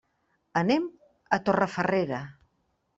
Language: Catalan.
Anem a Torrefarrera.